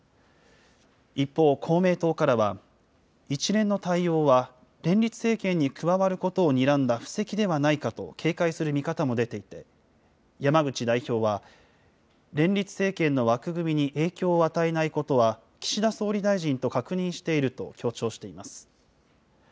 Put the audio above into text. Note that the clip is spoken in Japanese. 一方、公明党からは、一連の対応は連立政権に加わることをにらんだ布石ではないかと警戒する見方も出ていて、山口代表は、連立政権の枠組みに影響を与えないことは岸田総理大臣と確認していると強調しています。